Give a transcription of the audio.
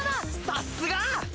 さっすが！